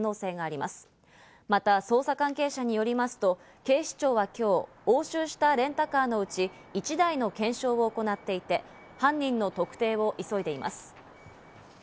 また捜査関係者によりますと警視庁は今日、押収したレンタカーのうち、１台の検証を行っていて、犯人の特定を急いでいます。